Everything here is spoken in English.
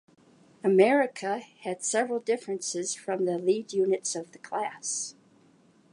"America" had several differences from the lead units of the class.